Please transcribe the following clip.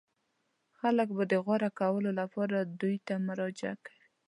خلک به د غوره کولو لپاره دوی ته مراجعه کوي.